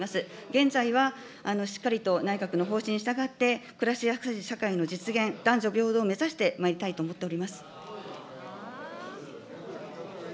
現在はしっかりと内閣の方針に従って、暮らしやすい社会の実現、男女平等を目指してまいりたいと思っております。